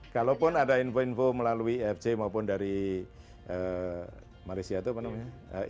kalaupun ada info info melalui ifj maupun dari malaysia itu apa namanya